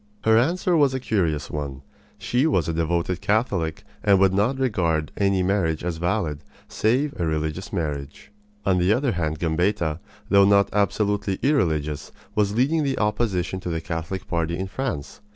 Her answer was a curious one. She was a devoted Catholic and would not regard any marriage as valid save a religious marriage. On the other hand, Gambetta, though not absolutely irreligious, was leading the opposition to the Catholic party in France.